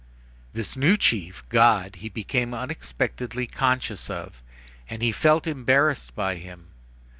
This new chief, God, he became unexpectedly conscious of, and he felt embarrassed by him.